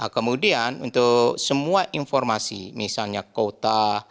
kemudian untuk semua informasi misalnya kota